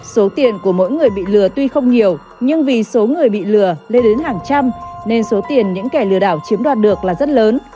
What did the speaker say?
số tiền của mỗi người bị lừa tuy không nhiều nhưng vì số người bị lừa lên đến hàng trăm nên số tiền những kẻ lừa đảo chiếm đoạt được là rất lớn